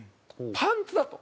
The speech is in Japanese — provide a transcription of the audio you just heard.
パンツだと。